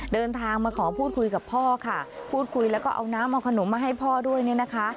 เดินทางมาขอพูดคุยกับพ่อค่ะพูดคุยแล้วก็เอาน้ำเอาขนมมาให้พ่อด้วยเนี่ยนะคะ